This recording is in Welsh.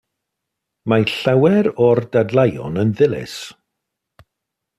Mae llawer o'r dadleuon yn ddilys.